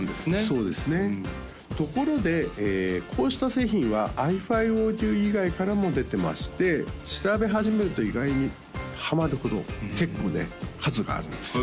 そうですねところでこうした製品はｉＦｉＡｕｄｉｏ以外からも出てまして調べ始めると意外にハマるほど結構ね数があるんですよ